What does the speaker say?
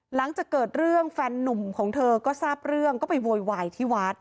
หลังจากเกิดเรื่องแฟนนุ่มของเธอก็ทราบเรื่องก็ไปโวยวายที่วัด